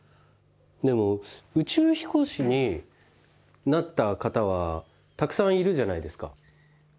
でも宇宙飛行士になった方はたくさんいるじゃないですか。